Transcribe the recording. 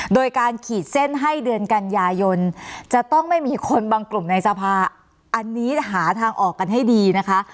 โดยการขีดเส้นให้เดือนกันยายนจะต้องไม่มีคนบางกลุ่มในสภาอันนี้หาทางออกกันให้ดีนะคะ